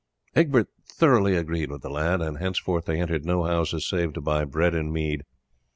Egbert thoroughly agreed with the lad, and henceforth they entered no houses save to buy bread and mead.